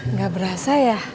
nggak berasa ya